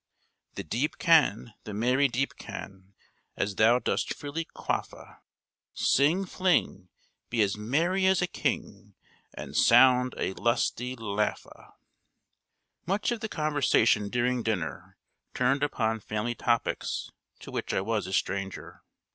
The deep canne, The merry deep canne, As thou dost freely quaff a, Sing, Fling, Be as merry as a king, And sound a lusty laugh a.[M] Much of the conversation during dinner turned upon family topics, to which I was a stranger.